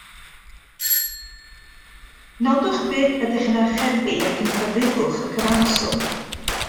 Nodwch beth ydych yn archebu ac yn cyfrifwch y cyfanswm